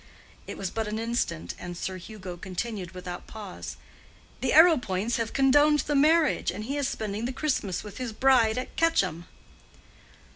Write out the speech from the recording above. It was but an instant, and Sir Hugo continued without pause, "The Arrowpoints have condoned the marriage, and he is spending the Christmas with his bride at Quetcham."